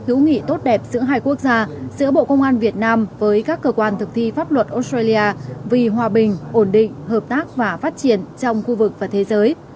hữu nghị tốt đẹp giữa hai quốc gia giữa bộ công an việt nam với các cơ quan thực thi pháp luật australia vì hòa bình ổn định hợp tác và phát triển trong khu vực và thế giới